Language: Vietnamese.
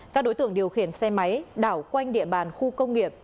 các đối tượng điều khiển xe máy đảo quanh địa bàn khu công nghiệp